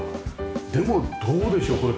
でもどうでしょうこれ。